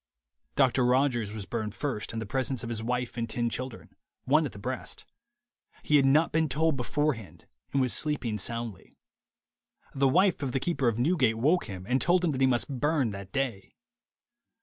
Doctor Rogers was burned first, in presence of his wife and ten children, one at the breast. He had not been told beforehand, and was sleeping soundly. The wife of the keeper of Newgate woke him, and told him that he must burn that day.